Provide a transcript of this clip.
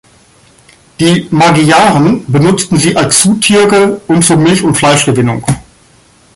Die "Magyaren" benutzten sie als Zugtiere und zur Milch- und Fleischgewinnung.